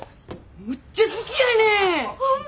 むっちゃ好きやねん！ホンマ！？